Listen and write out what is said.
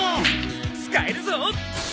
使えるぞ。